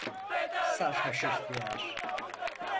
Sarhoş ihtiyar!